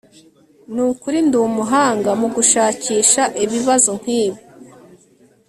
nukuri ndumuhanga mugushakisha ibibazo nkibi